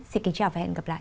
xin kính chào và hẹn gặp lại